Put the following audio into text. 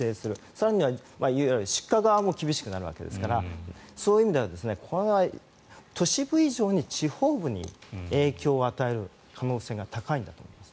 更には出荷側も厳しくなるわけですからそういう意味では都市部以上に地方部に影響を与える可能性が高いんだと思います。